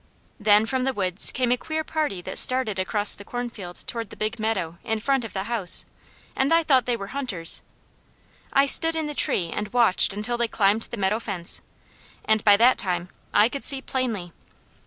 Then from the woods came a queer party that started across the cornfield toward the Big Meadow in front of the house, and I thought they were hunters. I stood in the tree and watched until they climbed the meadow fence, and by that time I could see plainly.